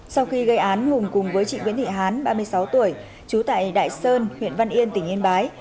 sau khi gây án hùng cùng với chị nguyễn thị hán ba mươi sáu tuổi trú tại đại sơn huyện văn yên tỉnh yên bái